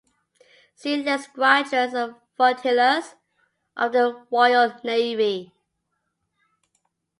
See List of squadrons and flotillas of the Royal Navy.